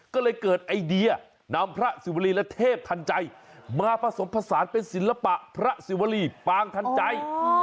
ก็เลยเกิดไอเดียนำพระสิวรีและเทพทันใจมาผสมผสานเป็นศิลปะพระศิวรีปางทันใจ